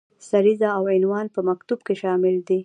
سریزه او عنوان په مکتوب کې شامل دي.